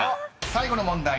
［最後の問題